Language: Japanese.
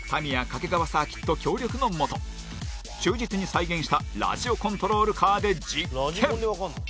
掛川サーキット協力のもと忠実に再現したラジオコントロールカーで実験。